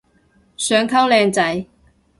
想溝靚仔